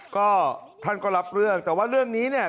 ก็ท่านก็รับเรื่องแต่ว่าเรื่องนี้เนี่ย